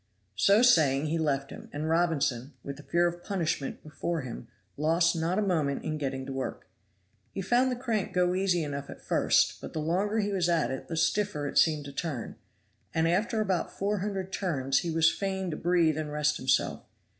So saying he left him, and Robinson, with the fear of punishment before him, lost not a moment in getting to work. He found the crank go easy enough at first, but the longer he was at it the stiffer it seemed to turn. And after about four hundred turns he was fain to breathe and rest himself.